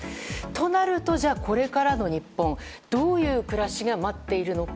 となると、これからの日本どんな暮らしが待っているのか。